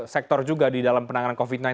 sektor juga di dalam penanganan covid sembilan belas